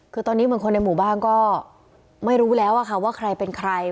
คือตอนนี้เหมือนคนในหมู่บ้านก็ไม่รู้แล้วค่ะว่าใครเป็นใคร